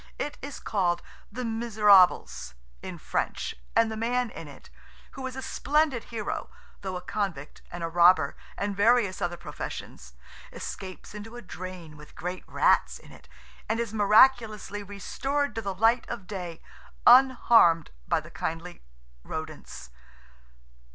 It is called "The Miserables," in French and the man in it, who is a splendid hero, though a convict and a robber and various other professions, escapes into a drain with great rats in it, and is miraculously restored to the light of day, unharmed by the kindly rodents.